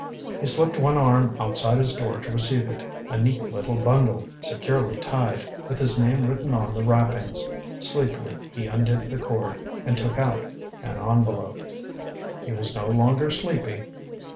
He slipped one arm outside his door to receive it a neat little bundle, securely tied, with his name written on the wrappings. Sleepily he undid the cord, and took out an envelope. He was no longer sleepy.